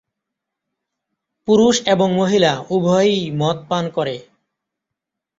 পুরুষ এবং মহিলা উভয়ই মদ পান করে।